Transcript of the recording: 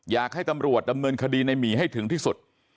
อยากให้ตำรวจดำเนินคดีในหมีให้ถึงที่สุด